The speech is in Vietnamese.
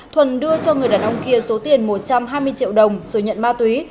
thuần đưa cho người đàn ông kia số tiền một trăm hai mươi triệu đồng rồi nhận ma túy